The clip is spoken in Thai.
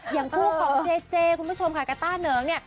อย่างคู่ของเจเจคุณผู้ชมค่ะกับต้าเหนิงเนี่ย